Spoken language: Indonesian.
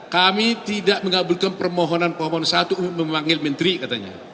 kami tidak mengabulkan permohonan permohon satu memanggil menteri katanya